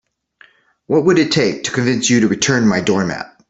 What would it take to convince you to return my doormat?